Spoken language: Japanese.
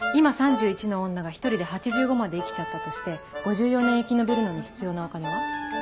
今３１の女が１人で８５まで生きちゃったとして５４年生き延びるのに必要なお金は？